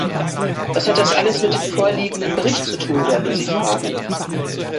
Was hat das alles mit dem vorliegenden Bericht zu tun, werden Sie fragen.